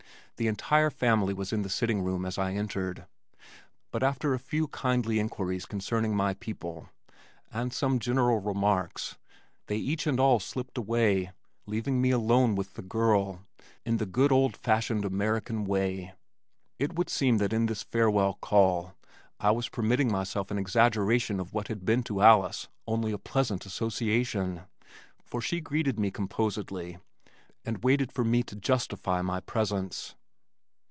The entire family was in the sitting room as I entered but after a few kindly inquiries concerning my people and some general remarks they each and all slipped away, leaving me alone with the girl in the good old fashioned American way. It would seem that in this farewell call I was permitting myself an exaggeration of what had been to Alice only a pleasant association, for she greeted me composedly and waited for me to justify my presence.